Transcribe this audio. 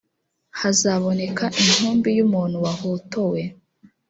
hazaboneka intumbi y’umuntu wahotowe.